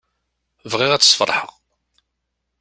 Bɣiɣ ad tt-sfeṛḥeɣ.